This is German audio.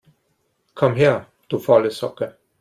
Komm her, du faule Socke!